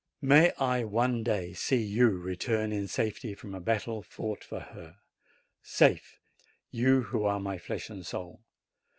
May I one day see you return in safety from a battle fought for her; safe, you who are my flesh and soul.